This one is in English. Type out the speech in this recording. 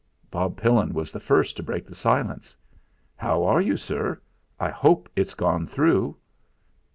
Bob Pillin was the first to break the silence. "How are you, sir? I hope it's gone through."